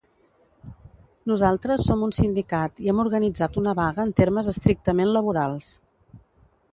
Nosaltres som un sindicat i hem organitzat una vaga en termes estrictament laborals.